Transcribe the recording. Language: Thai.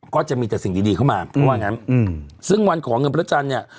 ก็จะมีแต่สิ่งดีดีเข้ามาเพราะว่างั้นอืมซึ่งวันขอเงินพระจันทร์เนี่ย